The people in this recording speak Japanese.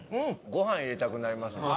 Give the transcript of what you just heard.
ご飯入れたくなりますね。